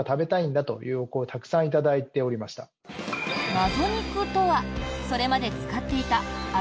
謎肉とは、それまで使っていた味